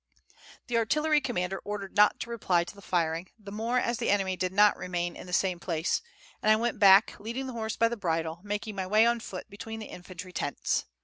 The artillery commander ordered not to reply to the firing, the more as the enemy did not remain in the same place; and I went back, leading the horse by the bridle, making my way on foot between the infantry tents.